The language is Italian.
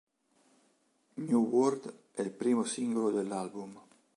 New World è il primo singolo dell'album.